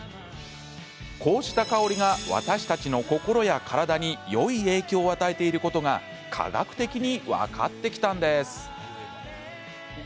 こうした香りが私たちの心や体によい影響を与えていることが科学的に分かってきたんです。